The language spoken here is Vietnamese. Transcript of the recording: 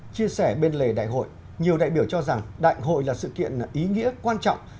chia sẻ bên lề đại hội nhiều đại biểu cho rằng đại hội là sự kiện ý nghĩa quan trọng